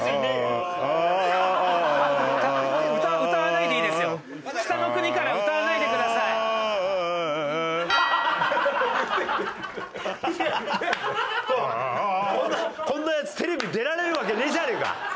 「アーア」こんなヤツテレビ出られるわけねえじゃねえか。